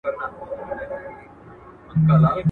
دلته شهیدي جنازې ښخېږي.